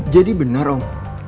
jadi benar om